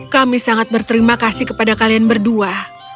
kami sangat berterima kasih kepada kalian berdua